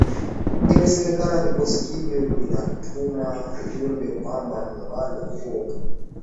Imesemekana vikosi hivyo vinatuma ujumbe kwamba muungano huo utatetea kila nchi ya eneo lake